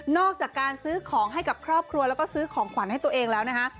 อกจากการซื้อของให้กับครอบครัวแล้วก็ซื้อของขวัญให้ตัวเองแล้วนะคะ